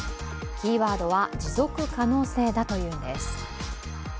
キーワードは持続可能性だというんです。